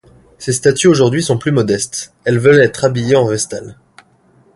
Ces statues aujourd'hui sont plus modestes ; elles veulent être habillées en vestales !